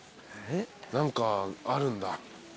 何かあるんだ。